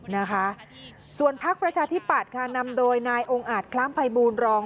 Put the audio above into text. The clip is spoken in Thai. นะคะส่วนพักประชาธิปัตย์ค่ะนำโดยนายองค์อาจคล้ามภัยบูรณรอง